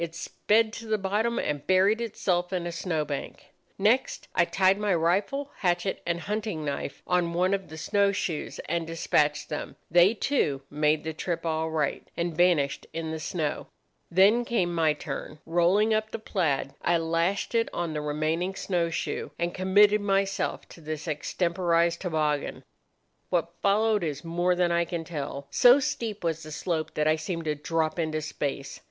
It sped to the bottom and buried itself in a snow bank. Next I tied my rifle, hatchet, and hunting knife on one of the snow shoes, and despatched them. They, too, made the trip all right, and vanished in the snow. Then came my turn. Rolling up the plaid I lashed it on the remaining snow shoe, and committed myself to this extemporized toboggan. "What followed is more than I can tell. So steep was the slope that I seemed to drop into space.